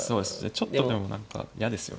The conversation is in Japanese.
ちょっとでも何か嫌ですよね。